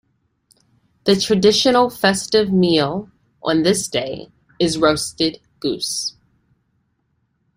The traditional festive meal on this day is a roasted goose.